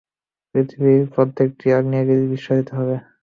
পৃথিবীর প্রত্যেকটা আগ্নেয়গিরী বিস্ফোরিত হবে!